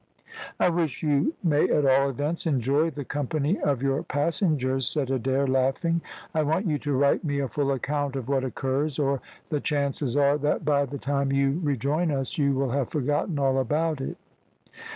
"I wish you may at all events enjoy the company of your passengers," said Adair, laughing; "I want you to write me a full account of what occurs, or the chances are that by the time you rejoin us you will have forgotten all about it."